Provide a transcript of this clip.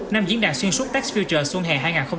năm diễn đàn xuyên suốt tech future xuân hè hai nghìn hai mươi bốn